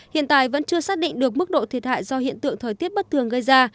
hiện tại vẫn chưa xác định được mức độ thiệt hại do hiện tượng thời tiết bất thường gây ra